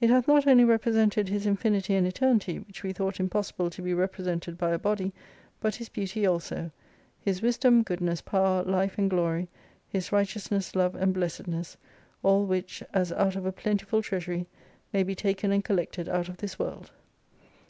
It hath not only represented His infinity and eternity which we thought impossible to be represented by a body, but His beauty also, His wisdom, goodness, power, life and glory, His righteous ness, love, and blessedness : all which as out of a plentiful treasury, may be taken and collected out of this world.